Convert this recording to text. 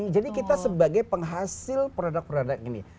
jadi kita sebagai penghasil produk produk ini